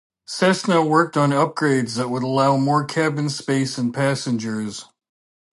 Cessna worked on upgrades that would allow more cabin space and passengers.